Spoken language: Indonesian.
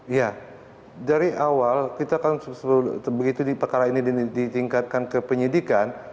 iya dari awal kita kan begitu di perkara ini ditingkatkan ke penyidikan